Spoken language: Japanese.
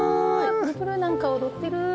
プルプル何か踊ってる。